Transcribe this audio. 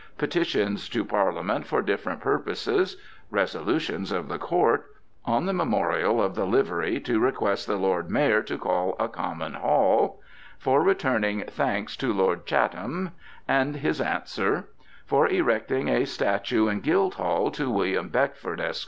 Petitions to Parliament for different Purposes, Resolutions of the Court, On the Memorial of the Livery, to request the Lord Mayor to call a Common Hall; For returning Thanks to Lord Chatham, And his Answer; For erecting a Statue in Guildhall, to William Beckford, Esq.